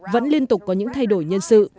vẫn liên tục có những thay đổi nhân sự